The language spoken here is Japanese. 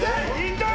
痛い！